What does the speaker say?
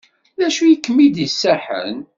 D acu i kem-id-iṣaḥen?